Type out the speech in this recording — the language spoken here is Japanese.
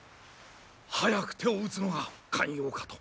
早く手を打つのが肝要かと。